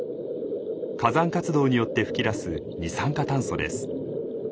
火山活動によって噴き出す二酸化炭素です。